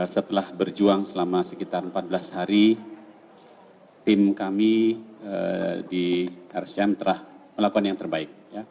setelah berjuang selama sekitar empat belas hari tim kami di rscm telah melakukan yang terbaik